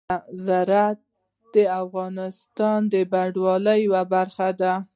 زراعت د افغانستان د بڼوالۍ یوه برخه ده.